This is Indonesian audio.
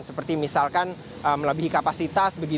seperti misalkan melebihi kapasitas